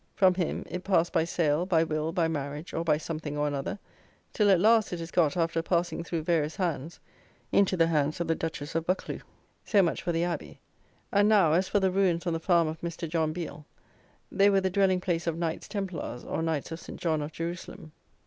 From him it passed by sale, by will, by marriage or by something or another, till, at last, it has got, after passing through various hands, into the hands of the Duchess of Buccleugh. So much for the abbey; and, now, as for the ruins on the farm of Mr. John Biel: they were the dwelling place of Knights' Templars, or Knights of St. John of Jerusalem.